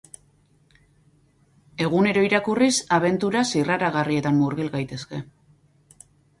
Egunero irakurriz abentura zirraragarrietan murgil gaitezke.